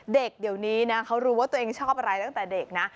เด็กเดี๋ยวนี้นะเขารู้ว่าตัวเองชอบอะไรตั้งแต่เด็กนะ